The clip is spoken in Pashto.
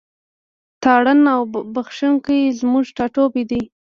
تارڼ اوبښتکۍ زموږ ټاټوبی دی.